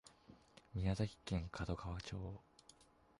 宮崎県門川町